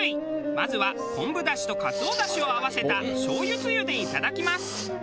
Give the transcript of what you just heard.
まずは昆布だしとかつおだしを合わせた醤油つゆでいただきます。